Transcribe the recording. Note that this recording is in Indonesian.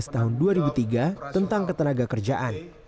tahun dua ribu tiga tentang ketenaga kerjaan